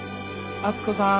敦子さん。